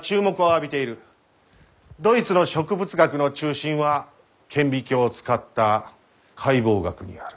ドイツの植物学の中心は顕微鏡を使った解剖学にある。